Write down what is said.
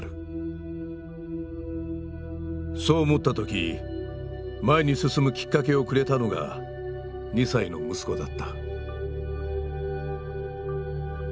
そう思った時前に進むきっかけをくれたのが２歳の息子だった。